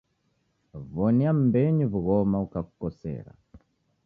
W'onia mmbenyu w'ughoma ukakukosera.